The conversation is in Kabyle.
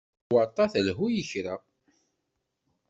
Tabewwaṭ-a ad telhu i kra.